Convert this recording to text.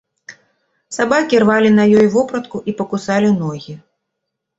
Сабакі рвалі на ёй вопратку і пакусалі ногі.